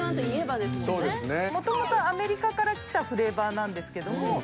・もともとアメリカから来たフレーバーなんですけども。